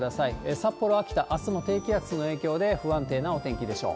札幌、秋田、あすも低気圧の影響で不安定なお天気でしょう。